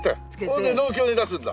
それで農協に出すんだ。